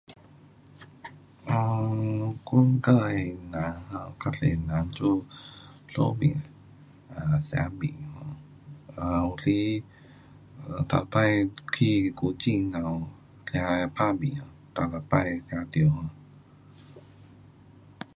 啊，我自的人，较多人做寿面，吃面。啊有时去头次去古晋那里吃打面。第一次吃到。